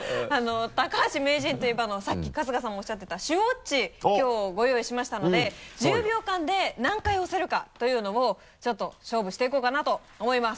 高橋名人といえばさっき春日さんもおっしゃっていた「シュウォッチ」きょうご用意しましたので１０秒間で何回押せるかというのをちょっと勝負していこうかなと思います。